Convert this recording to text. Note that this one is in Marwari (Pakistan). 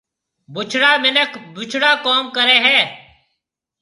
بُڇڙا مِنک بُڇڙا ڪوم ڪريَ هيَ۔